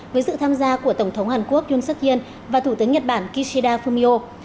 với sự tham gia của tổng thống hàn quốc yun suk in và thủ tướng nhật bản kishida fumio